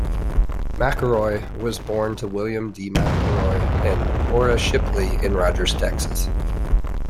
McElroy was born to William D. McElroy and Ora Shipley in Rogers, Texas.